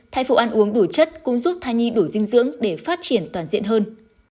thai phụ ăn uống đủ chất cũng giúp thai nhi đủ dinh dưỡng để phát triển toàn diện hơn